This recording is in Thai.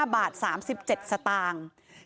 ๒๕๕๔๕บาท๓๗สตางค์